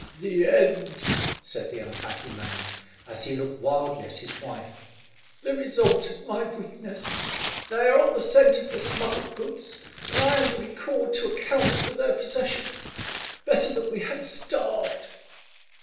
"The end!" said the unhappy man, as he looked wildly at his wife. "The result of my weakness. They are on the scent of the smuggled goods, and I am to be called to account for their possession. Better that we had starved!"